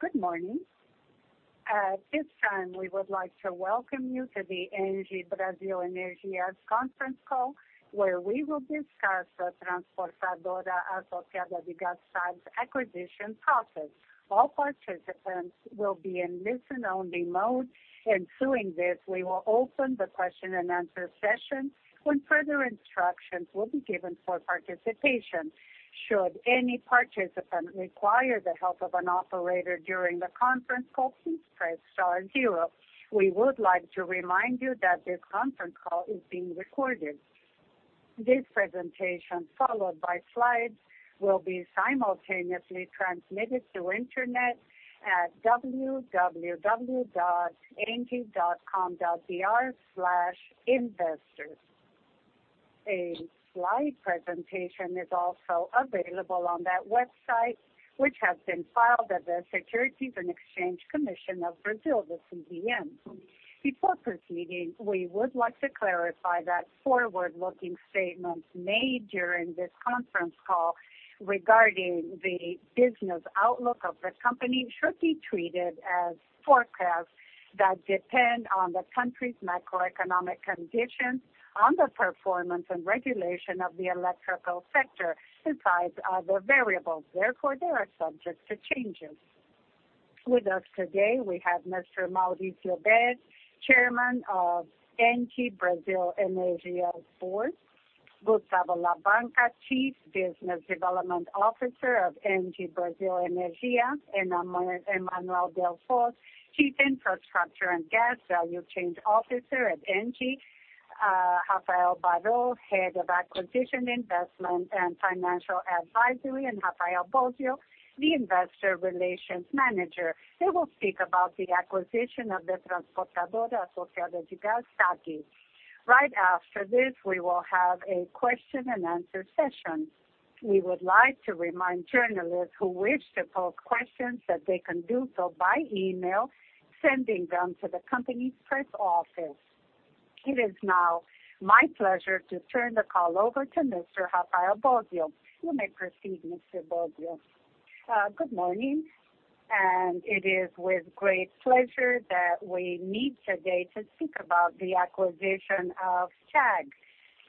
Good morning. At this time, we would like to welcome you to the ENGIE Brasil Energia conference call, where we will discuss the Transportadora Associada de Gás acquisition process. All participants will be in listen-only mode, and to do this, we will open the question-and-answer session, with further instructions given for participation. Should any participant require the help of an operator during the conference call, please press star zero. We would like to remind you that this conference call is being recorded. This presentation, followed by slides, will be simultaneously transmitted to the internet at www.engie.com.br/investores. A slide presentation is also available on that website, which has been filed at the Securities and Exchange Commission of Brazil, the CVM. Before proceeding, we would like to clarify that forward-looking statements made during this conference call regarding the business outlook of the company should be treated as forecasts that depend on the country's macroeconomic conditions, on the performance and regulation of the electrical sector, besides other variables. Therefore, they are subject to changes. With us today, we have Messrs Maurício Bähr, Chairman of ENGIE Brasil Energia Board, Gustavo Labanca, Chief Business Development Officer of ENGIE Brasil Energia, Emanuela Delfos, Chief Infrastructure and Gas Value Chain Officer at ENGIE, Rafael Baró, Head of Acquisition, Investment and Financial Advisory, and Rafael Bósio, the Investor Relations Manager. They will speak about the acquisition of the Transportadora Associada de Gás. Right after this, we will have a question-and-answer session. We would like to remind journalists who wish to post questions that they can do so by email, sending them to the company's press office. It is now my pleasure to turn the call over to Mr. Rafael Bósio. You may proceed, Mr. Bósio. Good morning, and it is with great pleasure that we meet today to speak about the acquisition of TAG.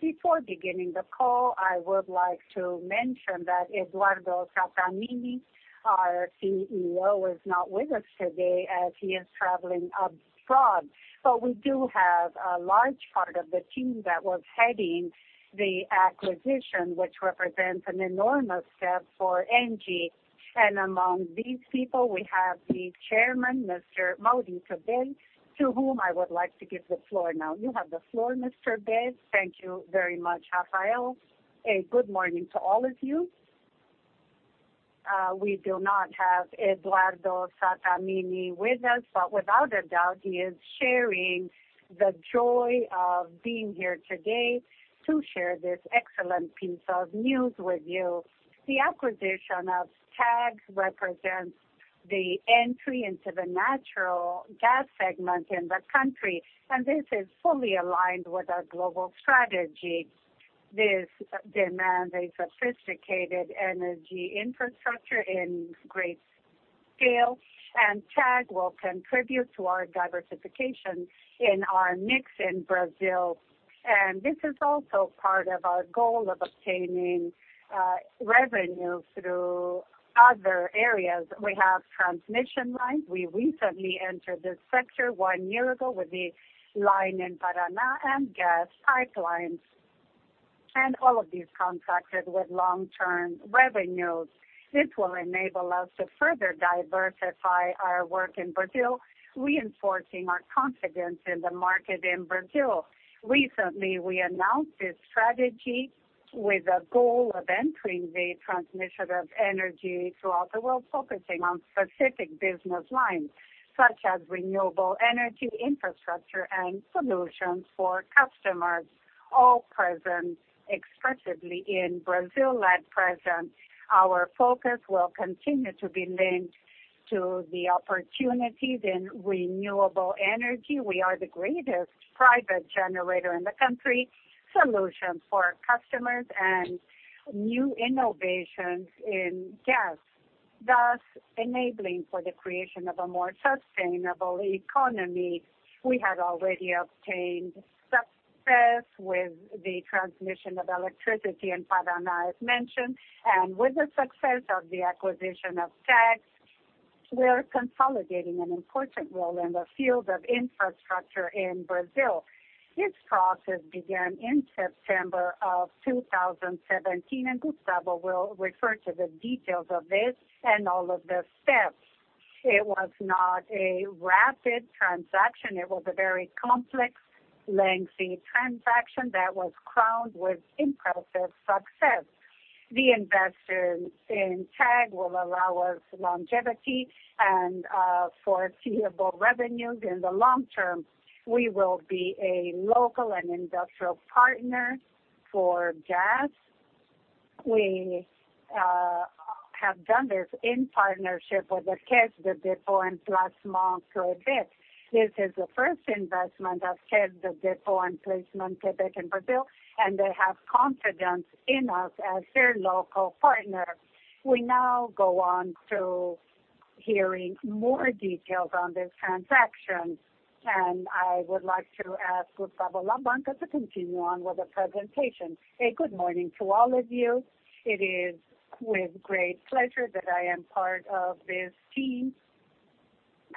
Before beginning the call, I would like to mention that Eduardo Sáamini, our CEO, is not with us today as he is traveling abroad, but we do have a large part of the team that was heading the acquisition, which represents an enormous step for ENGIE. Among these people, we have the Chairman, Messrs Maurício Bähr, to whom I would like to give the floor now. You have the floor, Mr. Bähr. Thank you very much, Rafael. A good morning to all of you. We do not have Eduardo Sattamini with us, but without a doubt, he is sharing the joy of being here today to share this excellent piece of news with you. The acquisition of TAG represents the entry into the natural gas segment in the country, and this is fully aligned with our global strategy. This demands a sophisticated energy infrastructure in great scale, and TAG will contribute to our diversification in our mix in Brazil. This is also part of our goal of obtaining revenue through other areas. We have transmission lines. We recently entered this sector one year ago with the line in Paraná and gas pipelines. All of these contractors with long-term revenues. This will enable us to further diversify our work in Brazil, reinforcing our confidence in the market in Brazil. Recently, we announced this strategy with a goal of entering the transmission of energy throughout the world, focusing on specific business lines, such as renewable energy infrastructure and solutions for customers, all present expressively in Brazil at present. Our focus will continue to be linked to the opportunities in renewable energy. We are the greatest private generator in the country, solutions for customers, and new innovations in gas. Thus, enabling for the creation of a more sustainable economy. We had already obtained success with the transmission of electricity in Paraná, as mentioned, and with the success of the acquisition of TAG, we're consolidating an important role in the field of infrastructure in Brazil. This process began in September of 2017, and Gustavo will refer to the details of this and all of the steps. It was not a rapid transaction. It was a very complex, lengthy transaction that was crowned with impressive success. The investors in TAG will allow us longevity and foreseeable revenues in the long term. We will be a local and industrial partner for gas. We have done this in partnership with Caisse de dépôt et placement du Québec in Quebec. This is the first investment of Caisse de dépôt et placement du Québec in Brazil, and they have confidence in us as their local partner. We now go on to hearing more details on this transaction, and I would like to ask Gustavo Labanca to continue on with the presentation. A good morning to all of you. It is with great pleasure that I am part of this team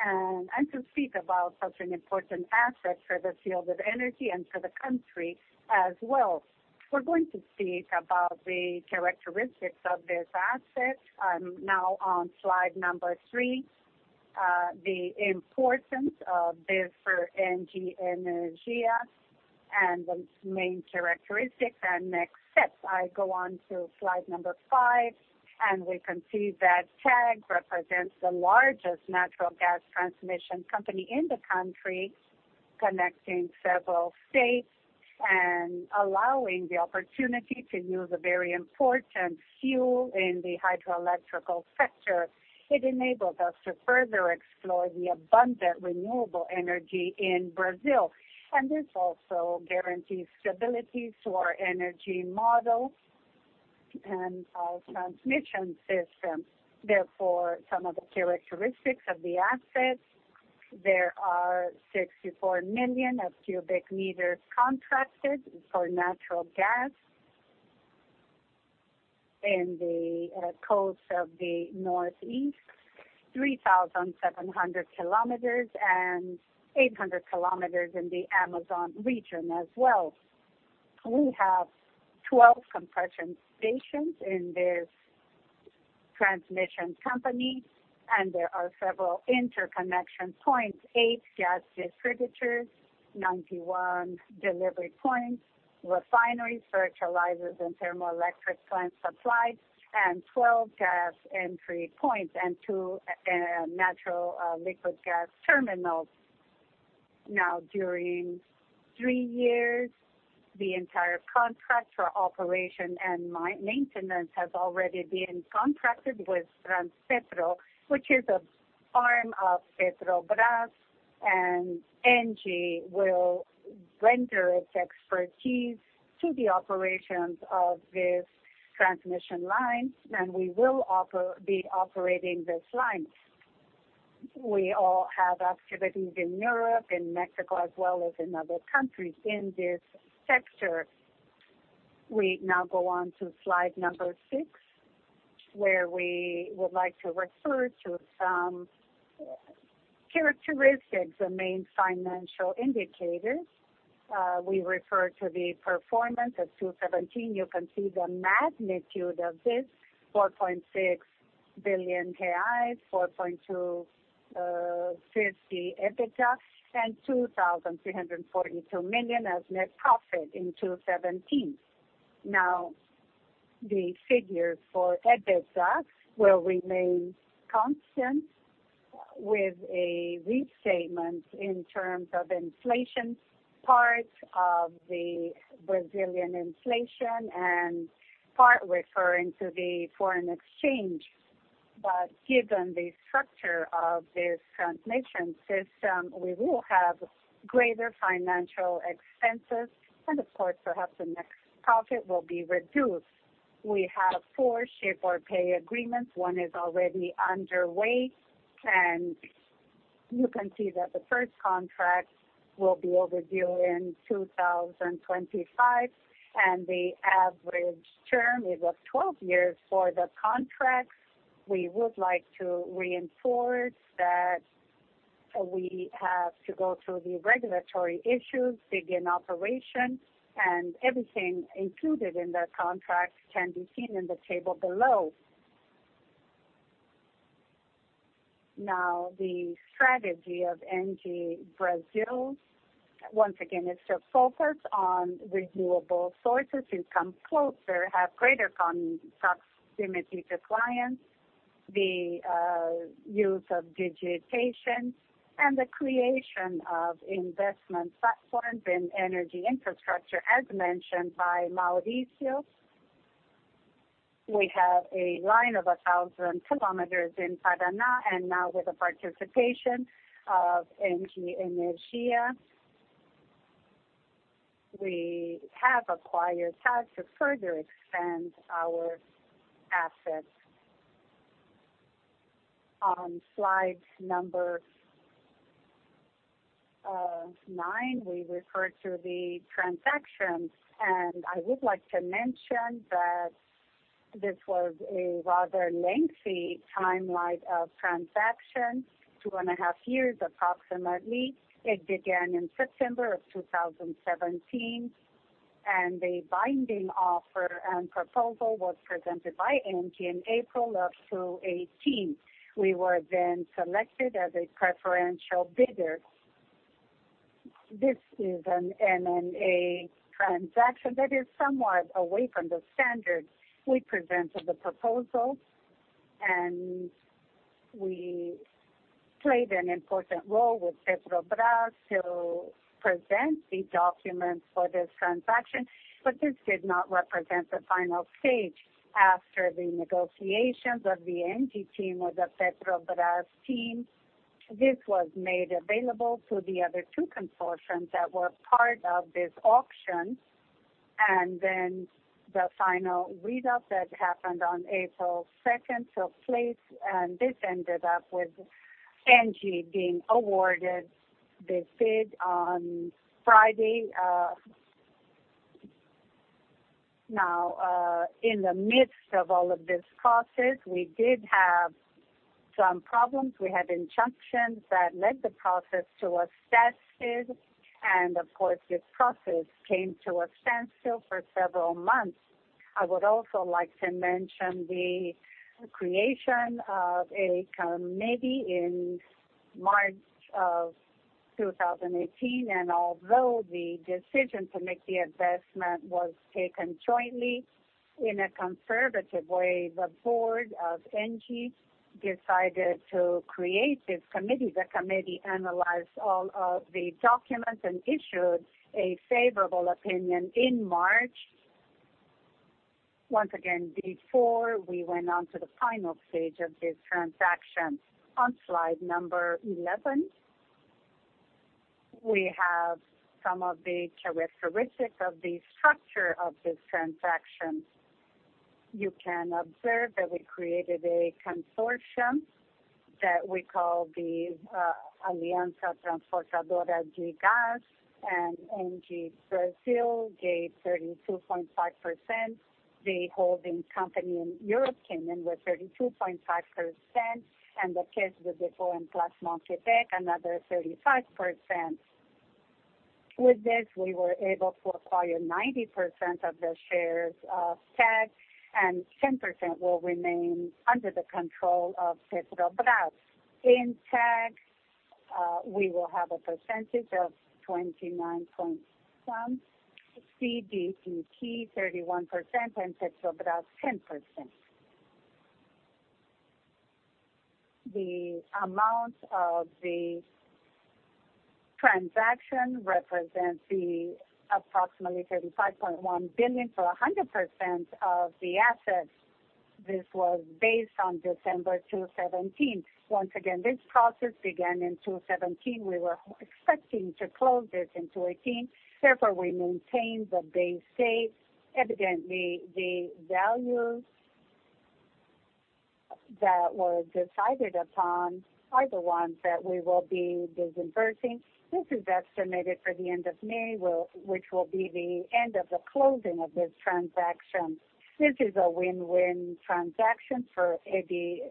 and to speak about such an important asset for the field of energy and for the country as well. We're going to speak about the characteristics of this asset. I'm now on slide number three, the importance of this for ENGIE Brasil Energia and the main characteristics and next steps. I go on to slide number five, and we can see that TAG represents the largest natural gas transmission company in the country, connecting several states and allowing the opportunity to use a very important fuel in the hydroelectric sector. It enables us to further explore the abundant renewable energy in Brazil, and this also guarantees stability to our energy model and our transmission system. Therefore, some of the characteristics of the asset: there are 64 million cubic meters contracted for natural gas in the coast of the Northeast, 3,700 km, and 800 km in the Amazon Region as well. We have 12 compression stations in this transmission company, and there are several interconnection points, eight gas distributors, 91 delivery points, refineries, fertilizers, and thermoelectric plant supplies, and 12 gas entry points and two natural liquid gas terminals. Now, during three years, the entire contract for operation and maintenance has already been contracted with Transpetro, which is an arm of Petrobras, and ENGIE will render its expertise to the operations of this transmission line, and we will be operating this line. We all have activities in Europe, in Mexico, as well as in other countries in this sector. We now go on to slide number six, where we would like to refer to some characteristics of main financial indicators. We refer to the performance of 2017. You can see the magnitude of this: 4.6 billion, 4.250 billion EBITDA, and 2.342 billion as net profit in 2017. Now, the figures for EBITDA will remain constant, with a restatement in terms of inflation, part of the Brazilian inflation, and part referring to the foreign exchange. Given the structure of this transmission system, we will have greater financial expenses, and of course, perhaps the net profit will be reduced. We have four ship or pay agreements. One is already underway, and you can see that the first contract will be overdue in 2025, and the average term is 12 years for the contract. We would like to reinforce that we have to go through the regulatory issues, begin operation, and everything included in the contract can be seen in the table below. Now, the strategy of ENGIE Brasil Energia, once again, is to focus on renewable sources to come closer, have greater proximity to clients, the use of digitization, and the creation of investment platforms in energy infrastructure, as mentioned by Maurício. We have a line of 1,000 kilometers in Paraná, and now, with the participation of ENGIE Brasil Energia, we have acquired TAG to further expand our assets. On slide number nine, we refer to the transaction, and I would like to mention that this was a rather lengthy timeline of transaction, two and a half years approximately. It began in September of 2017, and the binding offer and proposal was presented by ENGIE in April of 2018. We were then selected as a preferential bidder. This is an M&A transaction that is somewhat away from the standard. We presented the proposal, and we played an important role with Petrobras to present the documents for this transaction, but this did not represent the final stage. After the negotiations of the ENGIE team with the Petrobras team, this was made available to the other two consortiums that were part of this auction, and the final readout that happened on April 2nd took place, and this ended up with ENGIE being awarded this bid on Friday. Now, in the midst of all of this process, we did have some problems. We had injunctions that led the process to a standstill, and of course, this process came to a standstill for several months. I would also like to mention the creation of a committee in March of 2018, and although the decision to make the investment was taken jointly in a conservative way, the board of ENGIE decided to create this committee. The committee analyzed all of the documents and issued a favorable opinion in March. Once again, before we went on to the final stage of this transaction, on slide number 11, we have some of the characteristics of the structure of this transaction. You can observe that we created a consortium that we call the Alianza Transportadora de Gás, and ENGIE Brasil Energia gave 32.5%. The holding company in Europe came in with 32.5%, and the Caisse de dépôt et placement du Québec, another 35%. With this, we were able to acquire 90% of the shares of TAG, and 10% will remain under the control of Petrobras. In TAG, we will have a percentage of 29.7%, CDPQ 31%, and Petrobras 10%. The amount of the transaction represents approximately 35.1 billion for 100% of the assets. This was based on December 2017. Once again, this process began in 2017. We were expecting to close this in 2018. Therefore, we maintained the base date. Evidently, the values that were decided upon are the ones that we will be disbursing. This is estimated for the end of May, which will be the end of the closing of this transaction. This is a win-win transaction for ENGIE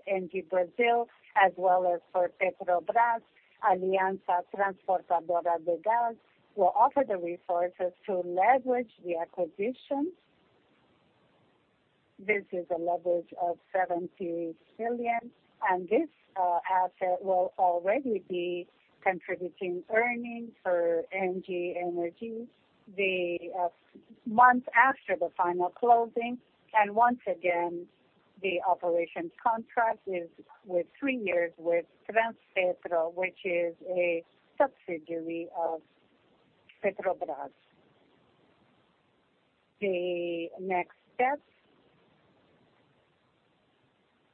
Brasil Energia, as well as for Petrobras. Alianza Transportadora de Gás will offer the resources to leverage the acquisition. This is a leverage of 7.0 billion, and this asset will already be contributing earnings for ENGIE Brasil Energia the month after the final closing. Once again, the operation contract is with three years with Transpetro, which is a subsidiary of Petrobras. The next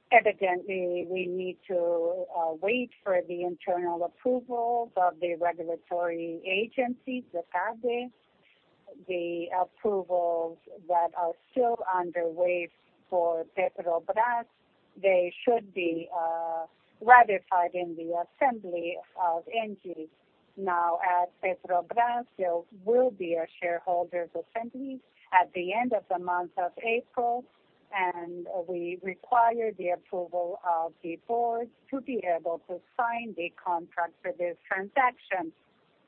step, evidently, we need to wait for the internal approvals of the regulatory agency, the FADE. The approvals that are still underway for Petrobras, they should be ratified in the assembly of ENGIE. Now, at Petrobras, there will be a shareholders' assembly at the end of the month of April, and we require the approval of the board to be able to sign the contract for this transaction.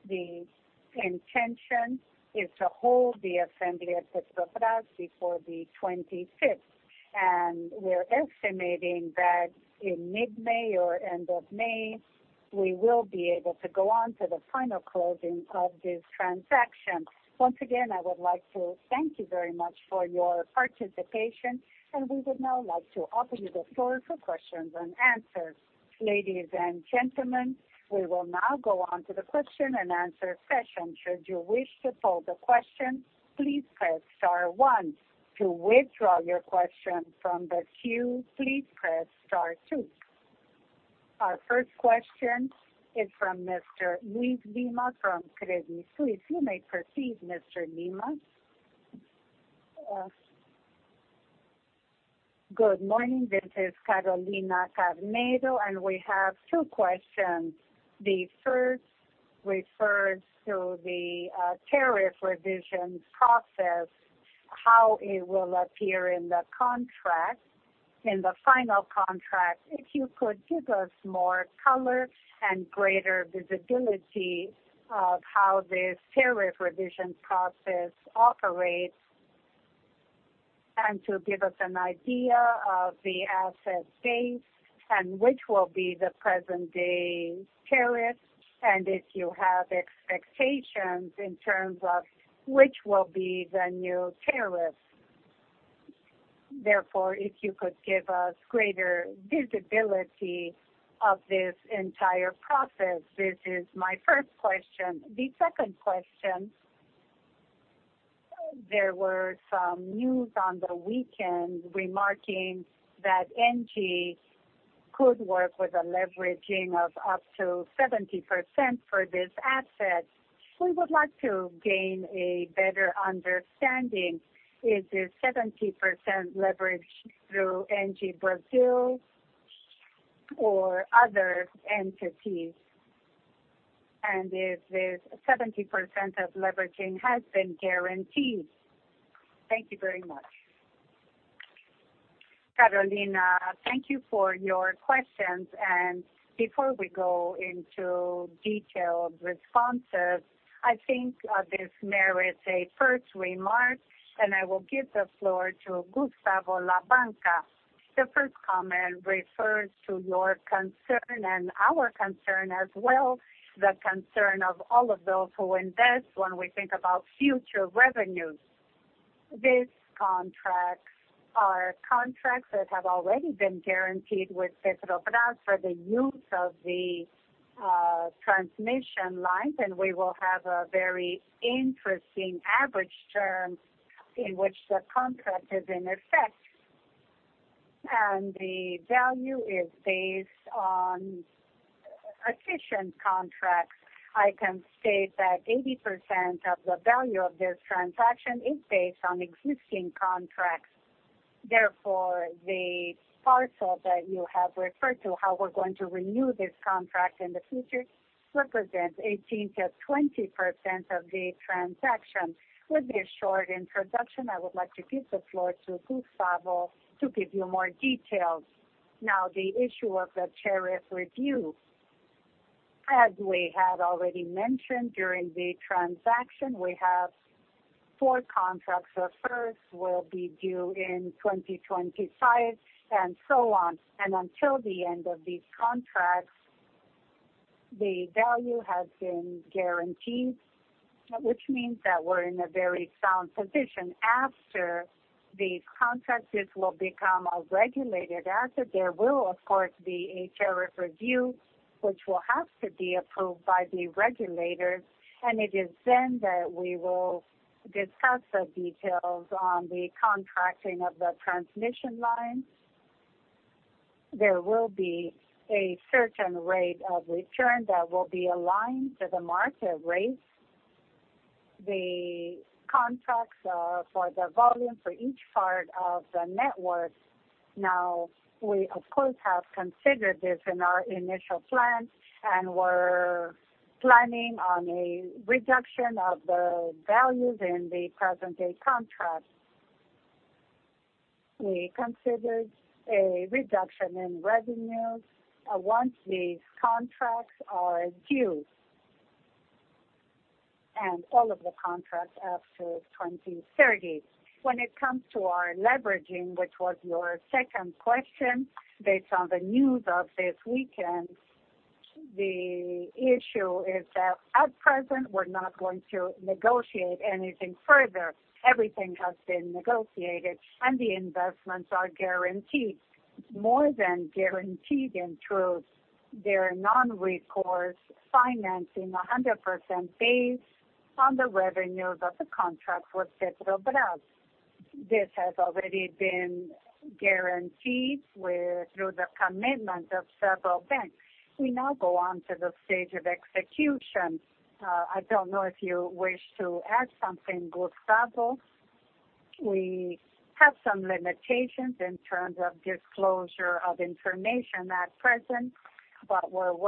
The intention is to hold the assembly at Petrobras before the 25th, and we're estimating that in mid-May or end of May, we will be able to go on to the final closing of this transaction. Once again, I would like to thank you very much for your participation, and we would now like to open the floor for questions and answers. Ladies and gentlemen, we will now go on to the question and answer session. Should you wish to poll the question, please press star one. To withdraw your question from the queue, please press star two. Our first question is from Mr. Luis Lima from Credit Suisse. You may proceed, Mr. Lima. Good morning. This is Carolina Caron, and we have two questions. The first refers to the tariff revision process, how it will appear in the final contract. If you could give us more color and greater visibility of how this tariff revision process operates and to give us an idea of the asset base and which will be the present-day tariff, and if you have expectations in terms of which will be the new tariff. Therefore, if you could give us greater visibility of this entire process. This is my first question. The second question, there were some news on the weekend remarking that ENGIE could work with a leveraging of up to 70% for this asset. We would like to gain a better understanding. Is this 70% leveraged through ENGIE Brasil or other entities, and is this 70% of leveraging has been guaranteed? Thank you very much. Carolina, thank you for your questions. Before we go into detailed responses, I think this merits a first remark, and I will give the floor to Gustavo Labanca. The first comment refers to your concern and our concern as well, the concern of all of those who invest when we think about future revenues. These contracts are contracts that have already been guaranteed with Petrobras for the use of the transmission lines, and we will have a very interesting average term in which the contract is in effect. The value is based on efficient contracts. I can state that 80% of the value of this transaction is based on existing contracts. Therefore, the parcel that you have referred to, how we're going to renew this contract in the future, represents 18%-20% of the transaction. With this short introduction, I would like to give the floor to Gustavo to give you more details. Now, the issue of the tariff review. As we had already mentioned during the transaction, we have four contracts. The first will be due in 2025 and so on. Until the end of these contracts, the value has been guaranteed, which means that we're in a very sound position. After these contracts, this will become a regulated asset. There will, of course, be a tariff review, which will have to be approved by the regulators, and it is then that we will discuss the details on the contracting of the transmission lines. There will be a certain rate of return that will be aligned to the market rate. The contracts for the volume for each part of the network. Now, we, of course, have considered this in our initial plan, and we're planning on a reduction of the values in the present-day contracts. We considered a reduction in revenues once these contracts are due, and all of the contracts after 2030. When it comes to our leveraging, which was your second question, based on the news of this weekend, the issue is that at present, we're not going to negotiate anything further. Everything has been negotiated, and the investments are guaranteed, more than guaranteed in truth. They're non-recourse financing, 100% based on the revenues of the contract with Petrobras. This has already been guaranteed through the commitment of several banks. We now go on to the stage of execution. I don't know if you wish to add something, Gustavo. We have some limitations in terms of disclosure of information at present, but we're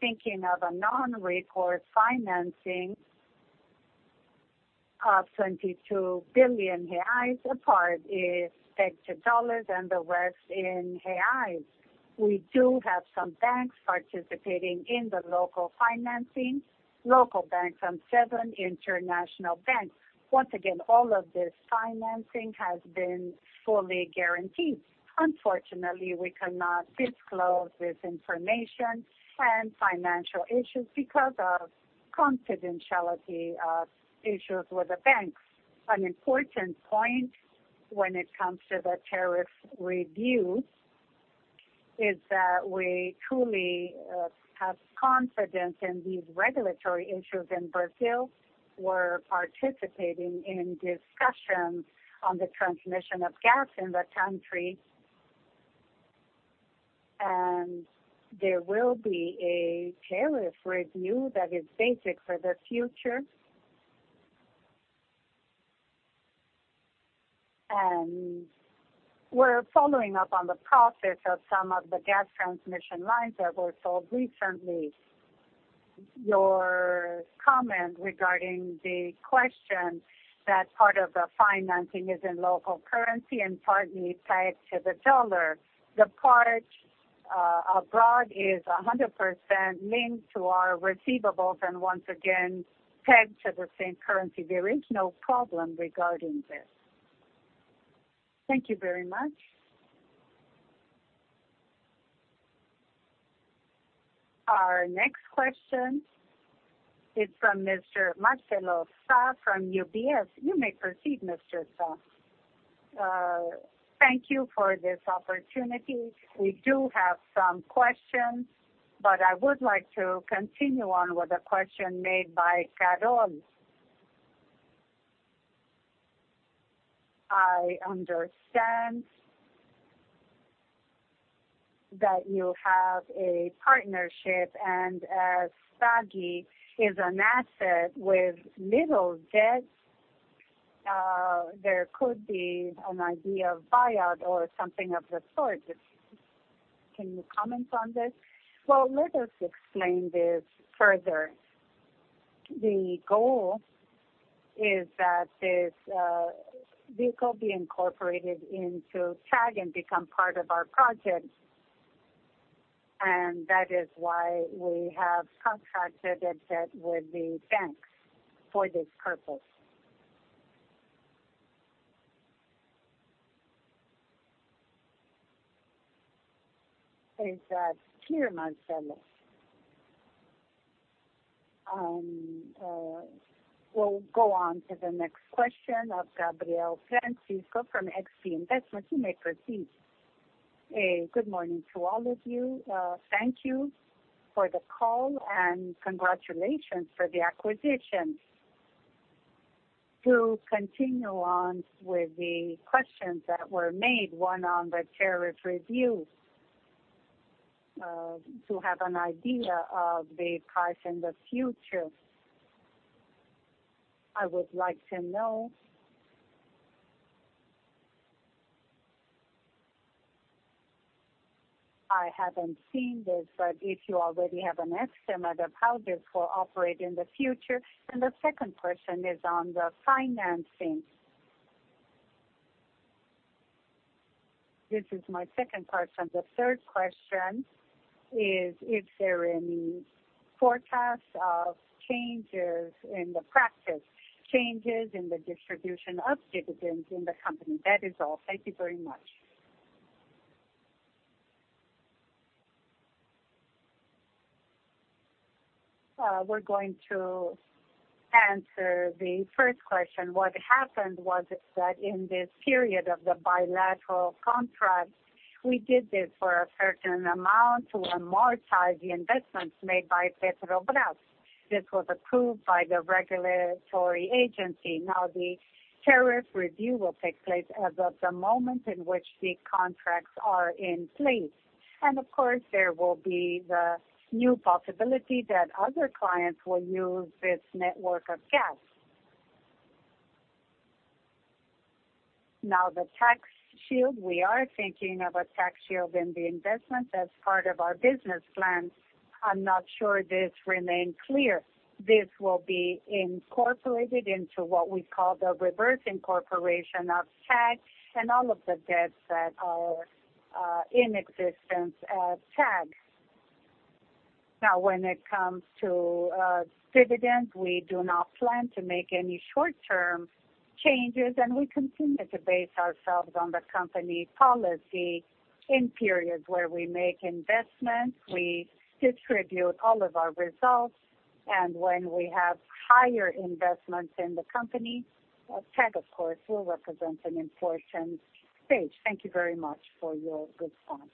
thinking of a non-recourse financing of 22 billion reais. A part is pegged to dollars, and the rest in reais. We do have some banks participating in the local financing, local banks and seven international banks. Once again, all of this financing has been fully guaranteed. Unfortunately, we cannot disclose this information and financial issues because of confidentiality issues with the banks. An important point when it comes to the tariff review is that we truly have confidence in these regulatory issues in Brazil. We're participating in discussions on the transmission of gas in the country, and there will be a tariff review that is basic for the future. We're following up on the profits of some of the gas transmission lines that were sold recently. Your comment regarding the question that part of the financing is in local currency and partly tied to the dollar, the part abroad is 100% linked to our receivables and once again pegged to the same currency. There is no problem regarding this. Thank you very much. Our next question is from Mr. Marcelo Sá from UBS. You may proceed, Mr. Sá. Thank you for this opportunity. We do have some questions, but I would like to continue on with a question made by Carol. I understand that you have a partnership, and as SAGI is an asset with little debt, there could be an idea of buyout or something of the sort. Can you comment on this? Let us explain this further. The goal is that this vehicle be incorporated into TAG and become part of our project, and that is why we have contracted a debt with the banks for this purpose. Is that clear, Marcelo? We'll go on to the next question of Gabriel Francisco from XP Investimentos. You may proceed. Good morning to all of you. Thank you for the call and congratulations for the acquisition. To continue on with the questions that were made, one on the tariff review, to have an idea of the price in the future, I would like to know. I haven't seen this, but if you already have an estimate of how this will operate in the future. The second question is on the financing. This is my second question. The third question is if there are any forecasts of changes in the practice, changes in the distribution of dividends in the company. That is all. Thank you very much. We are going to answer the first question. What happened was that in this period of the bilateral contracts, we did this for a certain amount to amortize the investments made by Petrobras. This was approved by the regulatory agency. Now, the tariff review will take place as of the moment in which the contracts are in place. Of course, there will be the new possibility that other clients will use this network of gas. Now, the tax shield, we are thinking of a tax shield in the investments as part of our business plan. I'm not sure this remains clear. This will be incorporated into what we call the reverse incorporation of TAG and all of the debts that are in existence at TAG. Now, when it comes to dividends, we do not plan to make any short-term changes, and we continue to base ourselves on the company policy in periods where we make investments, we distribute all of our results, and when we have higher investments in the company, TAG, of course, will represent an important stage. Thank you very much for your response.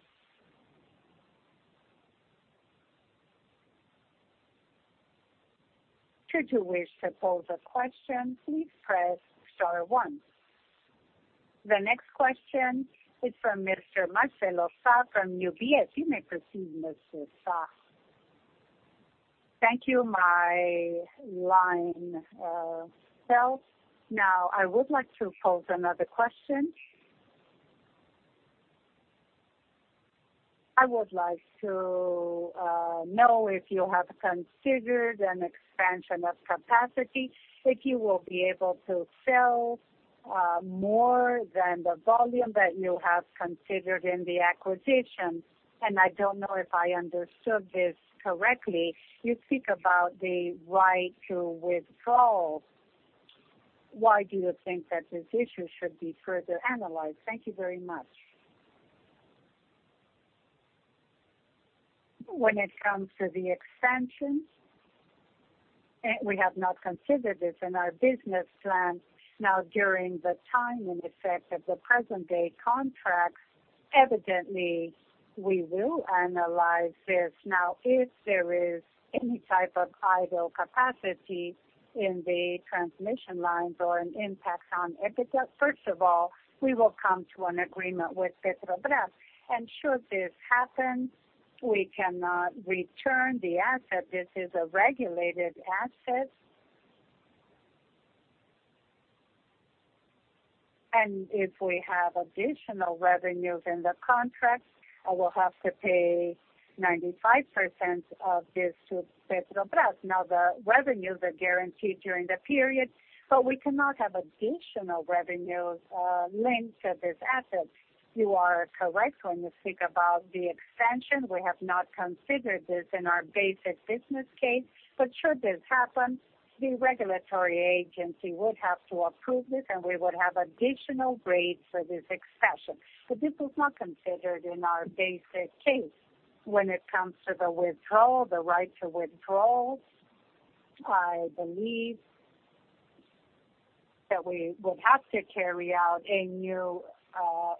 Should you wish to poll the question, please press star one. The next question is from Mr. Marcelo Sá from UBS. You may proceed, Mr. Sá. Thank you. My line fell. Now, I would like to poll another question. I would like to know if you have considered an expansion of capacity, if you will be able to sell more than the volume that you have considered in the acquisition. I do not know if I understood this correctly. You speak about the right to withdraw. Why do you think that this issue should be further analyzed? Thank you very much. When it comes to the expansion, we have not considered this in our business plan. Now, during the time in effect of the present-day contracts, evidently, we will analyze this. If there is any type of idle capacity in the transmission lines or an impact on EPICO, first of all, we will come to an agreement with Petrobras. Should this happen, we cannot return the asset. This is a regulated asset. If we have additional revenues in the contracts, I will have to pay 95% of this to Petrobras. The revenues are guaranteed during the period, but we cannot have additional revenues linked to this asset. You are correct when you speak about the expansion. We have not considered this in our basic business case, but should this happen, the regulatory agency would have to approve this, and we would have additional grades for this expansion. This was not considered in our basic case. When it comes to the withdrawal, the right to withdraw, I believe that we would have to carry out a new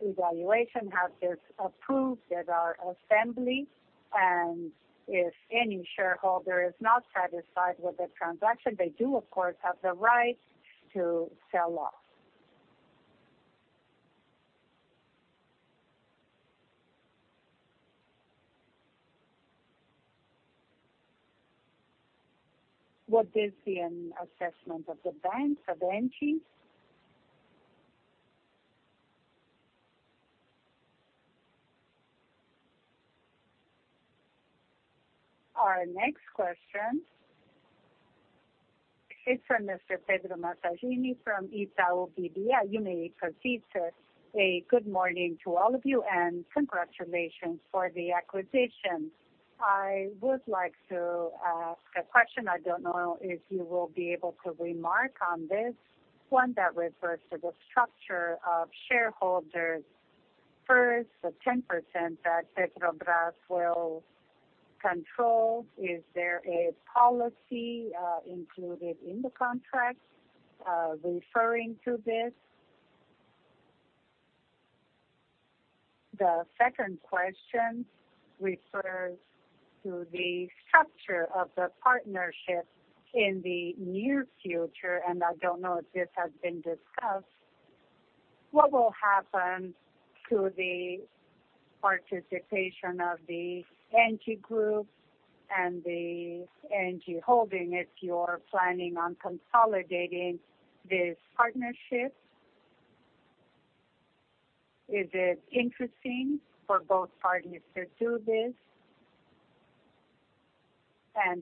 evaluation, have this approved at our assembly, and if any shareholder is not satisfied with the transaction, they do, of course, have the right to sell off. What is the assessment of the banks, of ENGIE? Our next question. It's from Mr. Pedro Manfredini of Banco Itaú BBA. Please Proceed, Sir. Good morning to all of you, and congratulations for the acquisition. I would like to ask a question. I don't know if you will be able to remark on this one that refers to the structure of shareholders. First, the 10% that Petrobras will control, is there a policy included in the contract referring to this? The second question refers to the structure of the partnership in the near future, and I don't know if this has been discussed. What will happen to the participation of the ENGIE Group and the ENGIE Holding if you're planning on consolidating this partnership? Is it interesting for both parties to do this?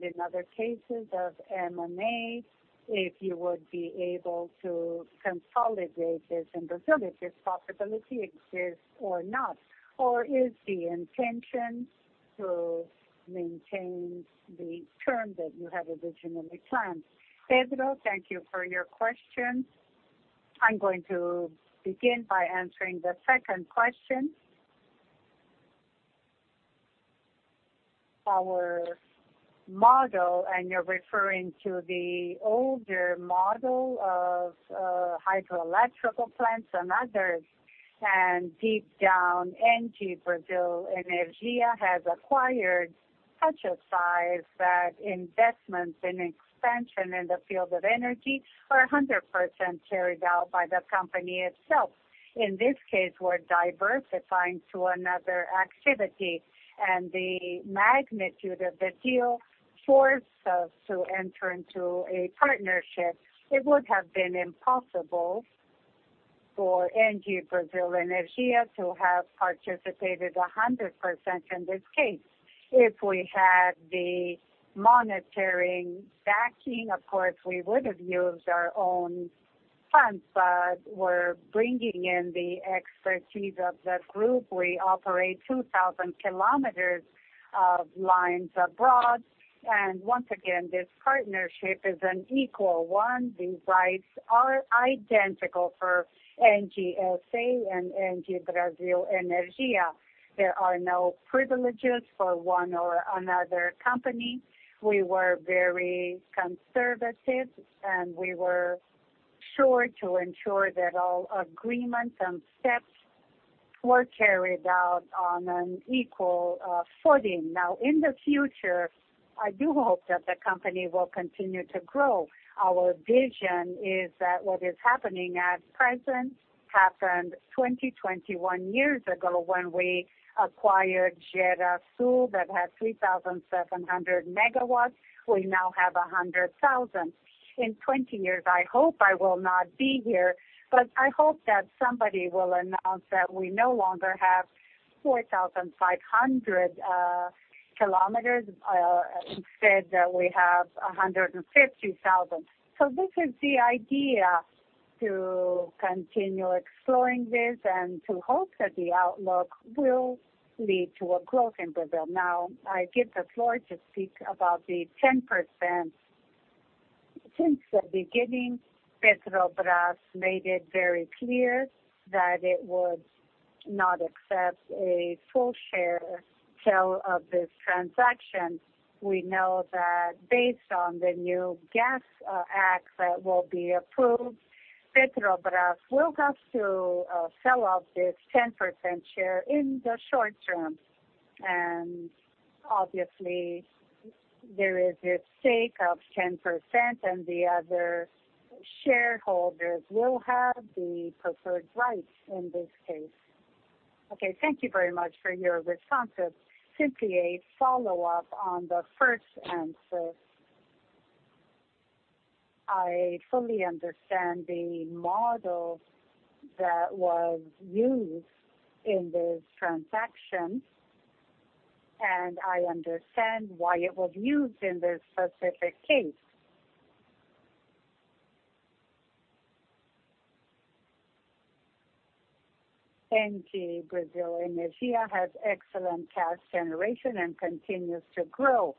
In other cases of M&A, if you would be able to consolidate this in Brazil, if this possibility exists or not, or is the intention to maintain the term that you have originally planned? Pedro, thank you for your question. I'm going to begin by answering the second question. Our model, and you're referring to the older model of hydroelectric power plants and others, and deep down, ENGIE Brasil Energia has acquired such a size that investments in expansion in the field of energy are 100% carried out by the company itself. In this case, we're diversifying to another activity, and the magnitude of the deal forced us to enter into a partnership. It would have been impossible for ENGIE Brasil Energia to have participated 100% in this case. If we had the monetary backing, of course, we would have used our own funds, but we're bringing in the expertise of the group. We operate 2,000 km of lines abroad, and once again, this partnership is an equal one. The rights are identical for ENGIE SA and ENGIE Brasil Energia. There are no privileges for one or another company. We were very conservative, and we were sure to ensure that all agreements and steps were carried out on an equal footing. Now, in the future, I do hope that the company will continue to grow. Our vision is that what is happening at present happened 21 years ago when we acquired Gerasul that had 3,700 megawatts. We now have 10,000. In 20 years, I hope I will not be here, but I hope that somebody will announce that we no longer have 4,500 km; instead, that we have 15,000. This is the idea to continue exploring this and to hope that the outlook will lead to a growth in Brazil. Now, I give the floor to speak about the 10%. Since the beginning, Petrobras made it very clear that it would not accept a full share sell of this transaction. We know that based on the new gas act that will be approved, Petrobras will have to sell off this 10% share in the short term. Obviously, there is a stake of 10%, and the other shareholders will have the preferred rights in this case. Okay, thank you very much for your responses. Simply a follow-up on the first answer. I fully understand the model that was used in this transaction, and I understand why it was used in this specific case. ENGIE Brasil Energia has excellent cash generation and continues to grow.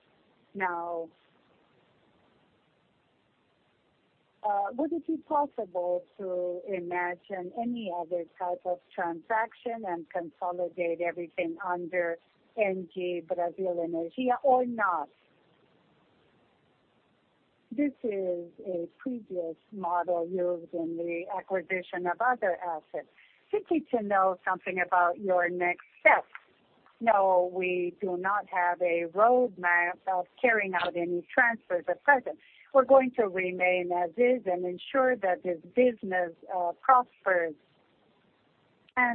Now, would it be possible to imagine any other type of transaction and consolidate everything under ENGIE Brasil Energia or not? This is a previous model used in the acquisition of other assets. Simply to know something about your next steps. No, we do not have a roadmap of carrying out any transfers at present. We are going to remain as is and ensure that this business prospers.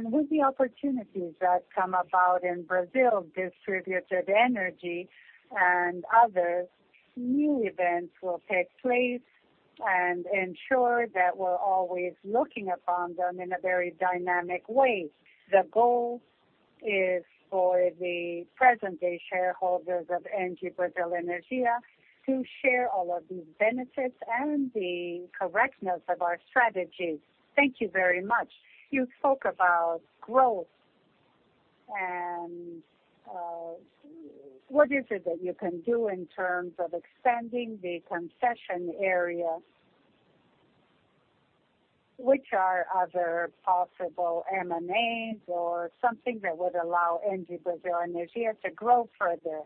With the opportunities that come about in Brazil, distributed energy and others, new events will take place and ensure that we are always looking upon them in a very dynamic way. The goal is for the present-day shareholders of ENGIE Brasil Energia to share all of these benefits and the correctness of our strategy. Thank you very much. You spoke about growth, and what is it that you can do in terms of extending the concession area? Which are other possible M&As or something that would allow ENGIE Brasil Energia to grow further?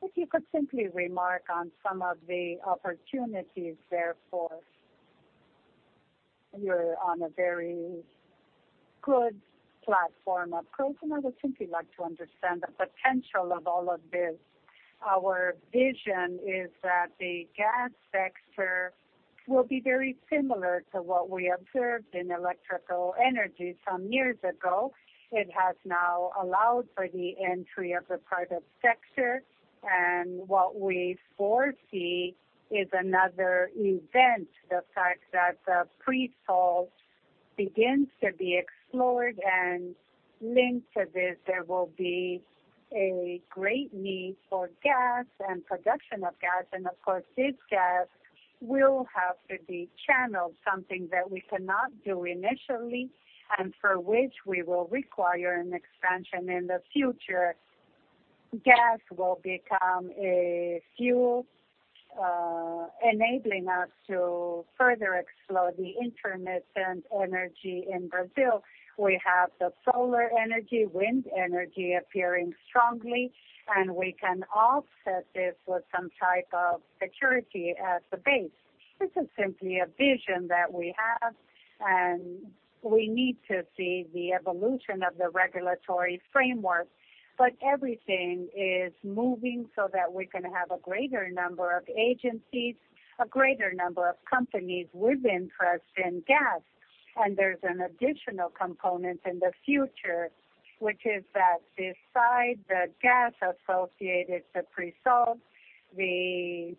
If you could simply remark on some of the opportunities therefore. You're on a very good platform of growth, and I would simply like to understand the potential of all of this. Our vision is that the gas sector will be very similar to what we observed in electrical energy some years ago. It has now allowed for the entry of the private sector, and what we foresee is another event, the fact that the pre-sold begins to be explored and linked to this. There will be a great need for gas and production of gas, and of course, this gas will have to be channeled, something that we cannot do initially and for which we will require an expansion in the future. Gas will become a fuel enabling us to further explore the intermittent energy in Brazil. We have the solar energy, wind energy appearing strongly, and we can offset this with some type of security at the base. This is simply a vision that we have, and we need to see the evolution of the regulatory framework, but everything is moving so that we can have a greater number of agencies, a greater number of companies with interest in gas. There is an additional component in the future, which is that beside the gas associated to pre-salt, the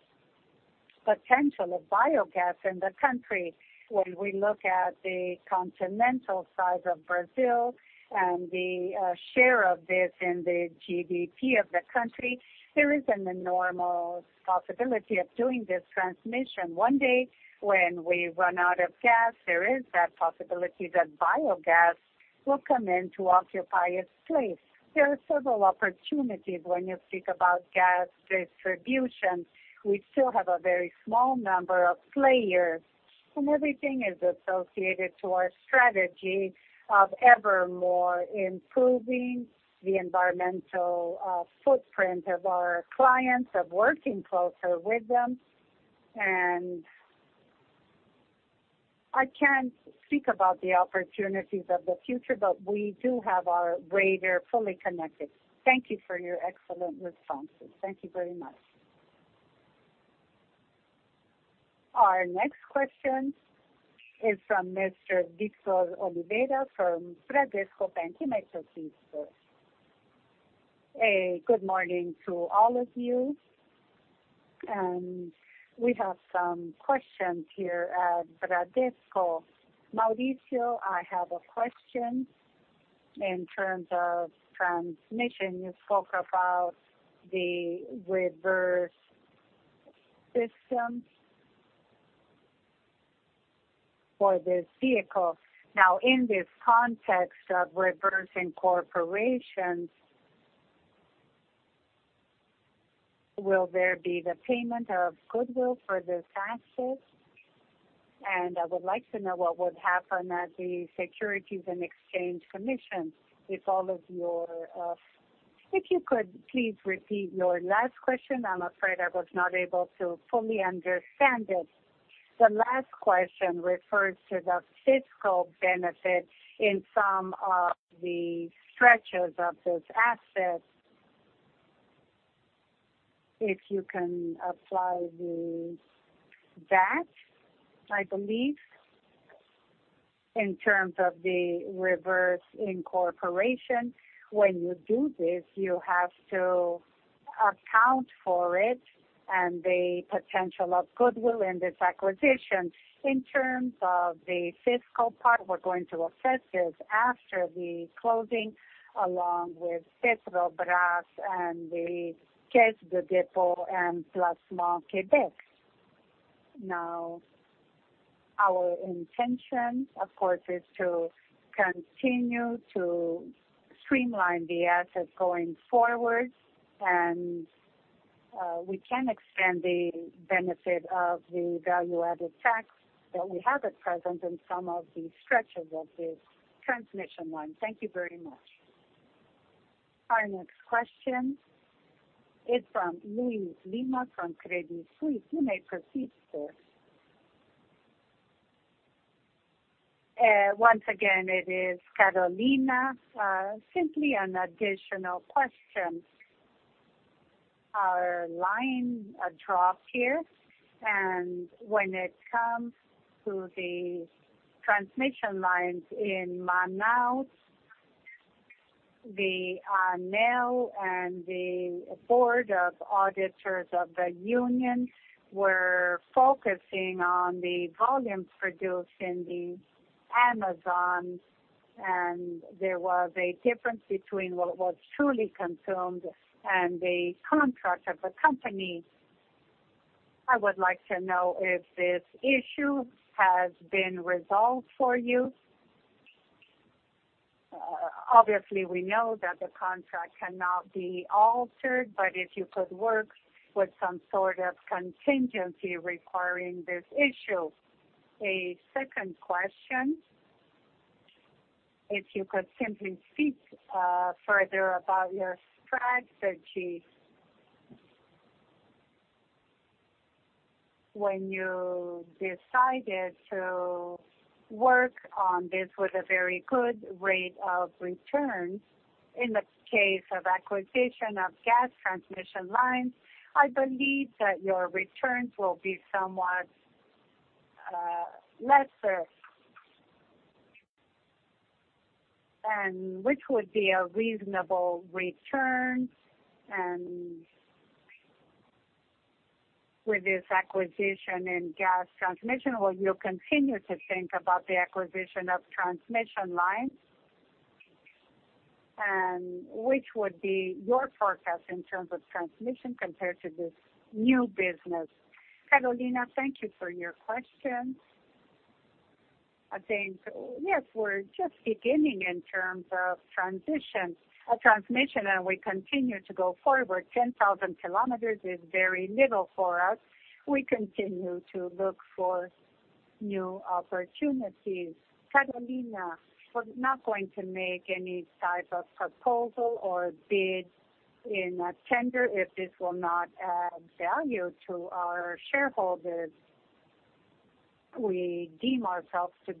potential of biogas in the country. When we look at the continental side of Brazil and the share of this in the GDP of the country, there is not a normal possibility of doing this transmission. One day, when we run out of gas, there is that possibility that biogas will come in to occupy its place. There are several opportunities when you speak about gas distribution. We still have a very small number of players, and everything is associated to our strategy of ever more improving the environmental footprint of our clients, of working closer with them. I can't speak about the opportunities of the future, but we do have our radar fully connected. Thank you for your excellent responses. Thank you very much. Our next question is from Mr. Víctor Oliveira from Banco Bradesco. A good morning to all of you, and we have some questions here at Bradesco. Maurício, I have a question in terms of transmission. You spoke about the reverse system for this vehicle. Now, in this context of reversing corporations, will there be the payment of goodwill for this asset? I would like to know what would happen at the Securities and Exchange Commission if all of your. If you could please repeat your last question. I'm afraid I was not able to fully understand it. The last question refers to the fiscal benefit in some of the stretches of this asset. If you can apply the VAT, I believe, in terms of the reverse incorporation, when you do this, you have to account for it and the potential of goodwill in this acquisition. In terms of the fiscal part, we're going to assess this after the closing along with Petrobras and the Caisse de dépôt et placement du Québec. Now, our intention, of course, is to continue to streamline the asset going forward, and we can extend the benefit of the value-added tax that we have at present in some of the stretches of this transmission line. Thank you very much. Our next question is from Luiz Lima from Credit Suisse. You may proceed, sir. Once again, it is Carolina. Simply an additional question. Our line dropped here, and when it comes to the transmission lines in Manaus, the ANEL and the board of auditors of the union were focusing on the volumes produced in the Amazon, and there was a difference between what was truly consumed and the contract of the company. I would like to know if this issue has been resolved for you. Obviously, we know that the contract cannot be altered, but if you could work with some sort of contingency requiring this issue. A second question, if you could simply speak further about your strategy when you decided to work on this with a very good rate of return in the case of acquisition of gas transmission lines, I believe that your returns will be somewhat lesser, and which would be a reasonable return. With this acquisition in gas transmission, will you continue to think about the acquisition of transmission lines? Which would be your forecast in terms of transmission compared to this new business? Carolina, thank you for your question. I think, yes, we're just beginning in terms of transition. Transmission, and we continue to go forward. 10,000 km is very little for us. We continue to look for new opportunities. Carolina, we're not going to make any type of proposal or bid in a tender if this will not add value to our shareholders. We deem ourselves to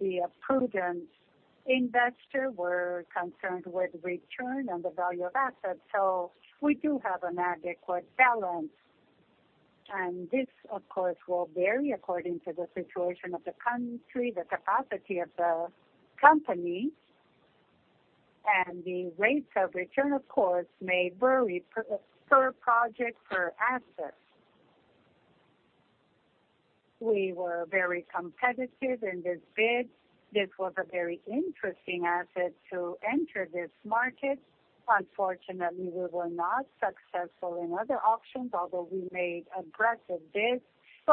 be a prudent investor. We're concerned with return on the value of assets, so we do have an adequate balance. This, of course, will vary according to the situation of the country, the capacity of the company, and the rates of return, of course, may vary per project, per asset. We were very competitive in this bid. This was a very interesting asset to enter this market. Unfortunately, we were not successful in other options, although we made aggressive bids.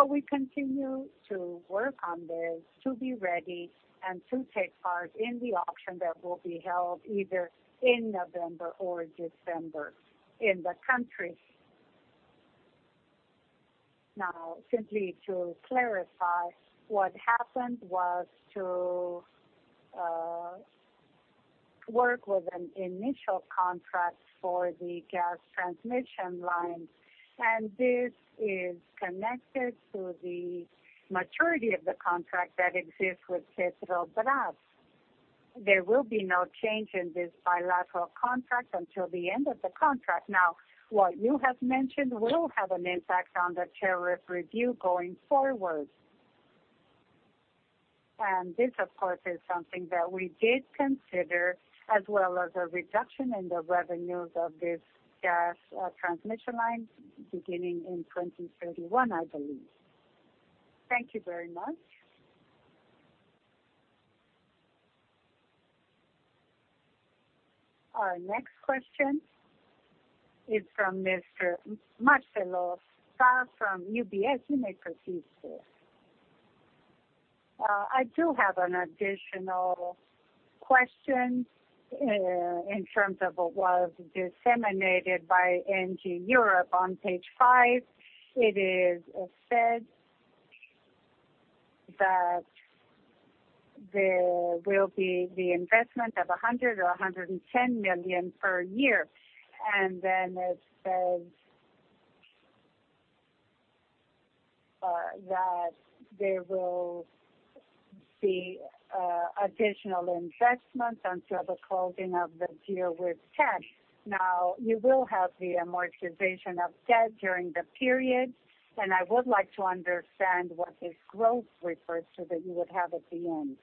We continue to work on this to be ready and to take part in the auction that will be held either in November or December in the country. Now, simply to clarify, what happened was to work with an initial contract for the gas transmission lines, and this is connected to the maturity of the contract that exists with Petrobras. There will be no change in this bilateral contract until the end of the contract. What you have mentioned will have an impact on the tariff review going forward. This, of course, is something that we did consider, as well as a reduction in the revenues of this gas transmission line beginning in 2031, I believe. Thank you very much. Our next question is from Mr. Marcelo Sá from UBS. You may proceed, sir. I do have an additional question in terms of what was disseminated by ENGIE Europe on page five. It is said that there will be the investment of 100 million or 110 million per year, and then it says that there will be additional investment until the closing of the deal with TAG. Now, you will have the amortization of TED during the period, and I would like to understand what this growth refers to that you would have at the end.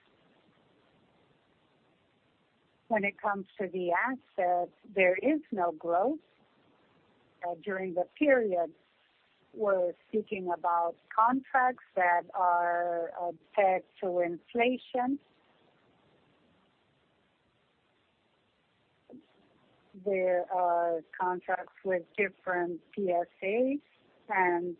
When it comes to the asset, there is no growth during the period. We're speaking about contracts that are pegged to inflation. There are contracts with different PSAs, and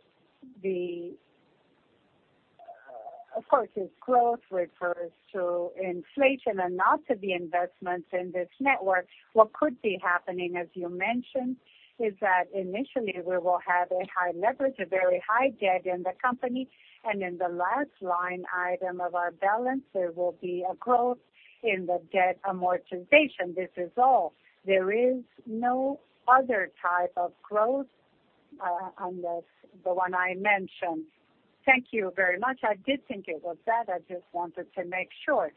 of course, this growth refers to inflation and not to the investments in this network. What could be happening, as you mentioned, is that initially we will have a high leverage, a very high debt in the company, and in the last line item of our balance, there will be a growth in the debt amortization. This is all. There is no other type of growth unless the one I mentioned. Thank you very much. I did think it was that. I just wanted to make sure.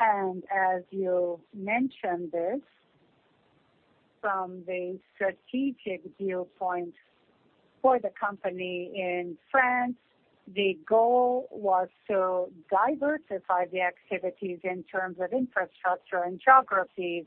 As you mentioned this, from the strategic viewpoint for the company in France, the goal was to diversify the activities in terms of infrastructure and geographies.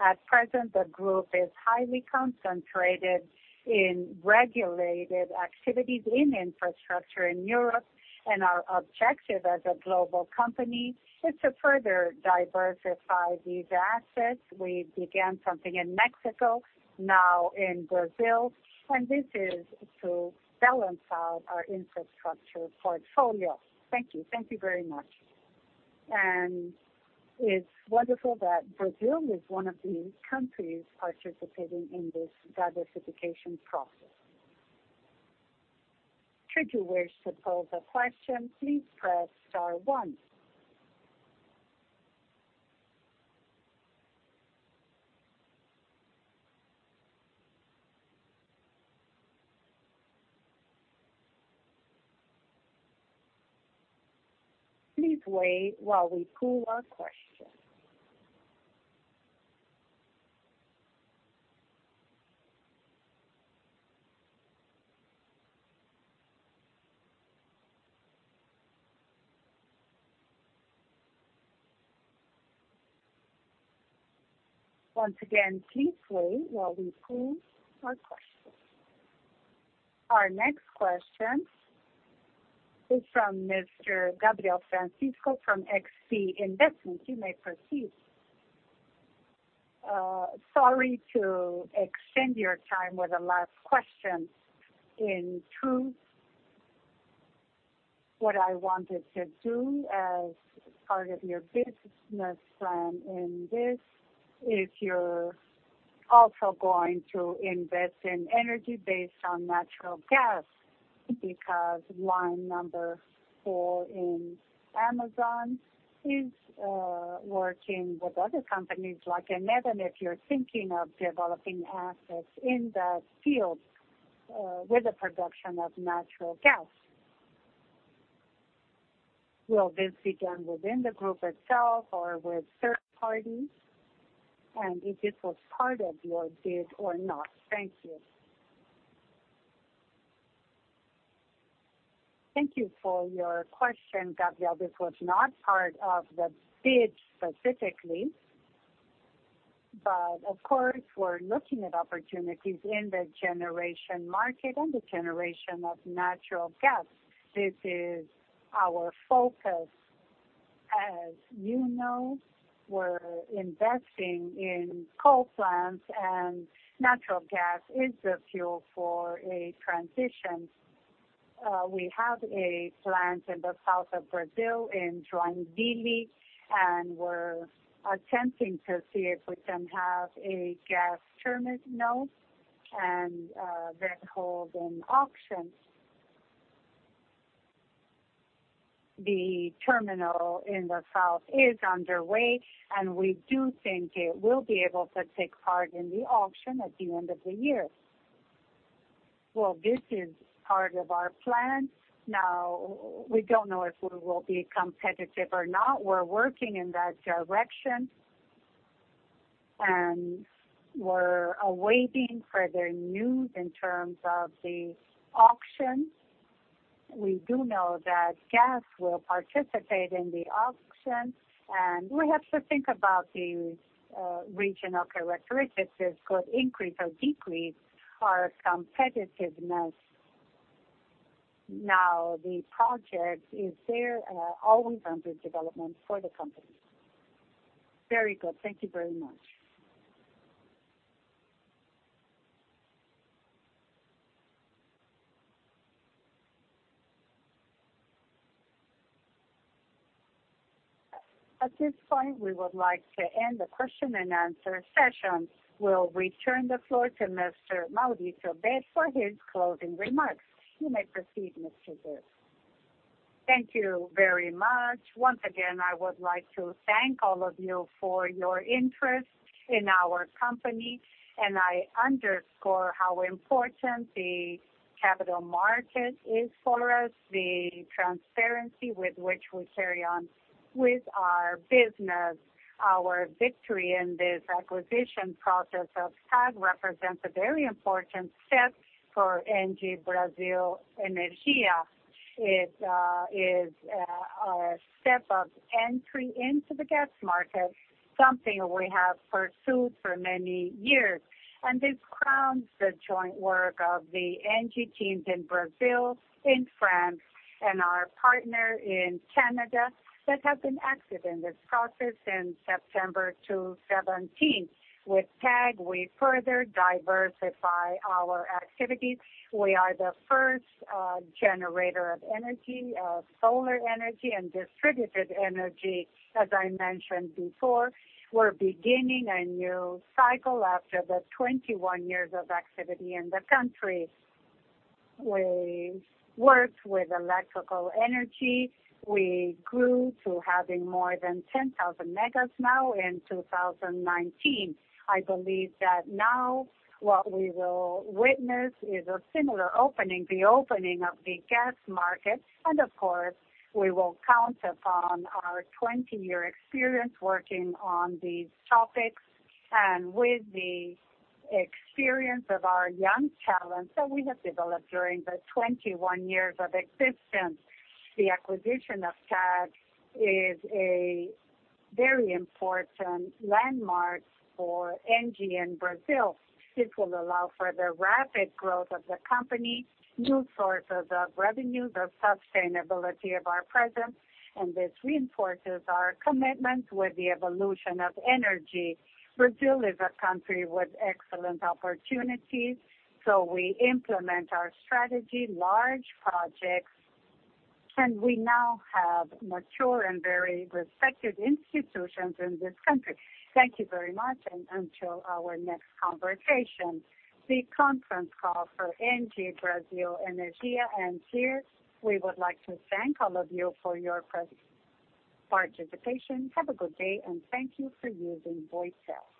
At present, the group is highly concentrated in regulated activities in infrastructure in Europe, and our objective as a global company is to further diversify these assets. We began something in Mexico, now in Brazil, and this is to balance out our infrastructure portfolio. Thank you. Thank you very much. It is wonderful that Brazil is one of the countries participating in this diversification process. Should you wish to pose a question, please press star one. Please wait while we pull our question. Once again, please wait while we pull our question. Our next question is from Mr. Gabriel Francisco from XP Investimentos. You may proceed. Sorry to extend your time with the last question. In truth, what I wanted to do as part of your business plan in this is you're also going to invest in energy based on natural gas because line number four in Amazon is working with other companies like ANEL, and if you're thinking of developing assets in that field with the production of natural gas. Will this be done within the group itself or with third parties? And if this was part of your bid or not? Thank you. Thank you for your question, Gabriel. This was not part of the bid specifically, but of course, we're looking at opportunities in the generation market and the generation of natural gas. This is our focus. As you know, we're investing in coal plants, and natural gas is the fuel for a transition. We have a plant in the south of Brazil in Joinville, and we're attempting to see if we can have a gas terminal and then hold an auction. The terminal in the south is underway, and we do think it will be able to take part in the auction at the end of the year. This is part of our plan. Now, we don't know if we will be competitive or not. We're working in that direction, and we're awaiting further news in terms of the auction. We do know that gas will participate in the auction, and we have to think about the regional characteristics; this could increase or decrease our competitiveness. Now, the project is always under development for the company. Very good. Thank you very much. At this point, we would like to end the question and answer session. We'll return the floor to Mr. Thank you very much. Once again, I would like to thank all of you for your interest in our company, and I underscore how important the capital market is for us. The transparency with which we carry on with our business, our victory in this acquisition process of TAG represents a very important step for ENGIE Brasil Energia. It is our step of entry into the gas market, something we have pursued for many years. This crowns the joint work of the ENGIE teams in Brazil, in France, and our partner in Canada that have been active in this process since September 2017. With TAG, we further diversify our activities. We are the first generator of energy, of solar energy and distributed energy, as I mentioned before. We're beginning a new cycle after the 21 years of activity in the country. We worked with electrical energy. We grew to having more than 10,000 megawatts now in 2019. I believe that now what we will witness is a similar opening, the opening of the gas market. Of course, we will count upon our 20-year experience working on these topics and with the experience of our young talents that we have developed during the 21 years of existence. The acquisition of TAG is a very important landmark for ENGIE in Brazil. This will allow for the rapid growth of the company, new sources of revenue, the sustainability of our presence, and this reinforces our commitment with the evolution of energy. Brazil is a country with excellent opportunities, so we implement our strategy, large projects, and we now have mature and very respected institutions in this country. Thank you very much, and until our next conversation. The conference call for ENGIE Brasil Energia, and here, we would like to thank all of you for your participation. Have a good day, and thank you for using VoiceTel.